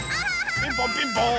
ピンポンピンポーン。